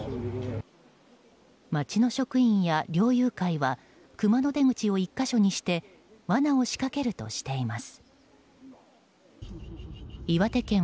町の職員や猟友会はクマの出口を１か所にしてわなを仕掛けるとしています。